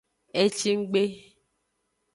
E ci nggbe.